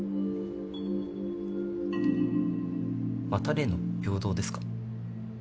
また例の平等ですか？